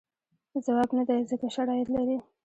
ځواب نه دی ځکه شرایط لري.